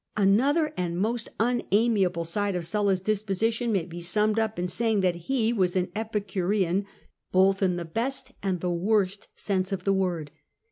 Another and most unamiable side of Sulla's disposition may be summed up in saying that he was an epicurean both in the best and the worst sense of the word.